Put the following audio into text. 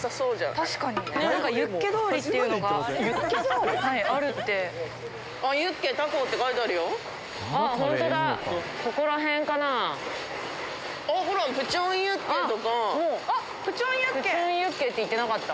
確かになんかユッケ通りっていうのがあるってプチョンユッケって言ってなかった？